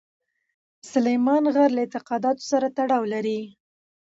سلیمان غر له اعتقاداتو سره تړاو لري.